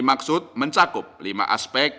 maksud mencakup lima aspek